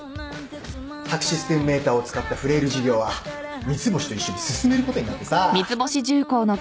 宅・システム・メーターを使ったフレイル事業は三ツ星と一緒に進めることになってさ。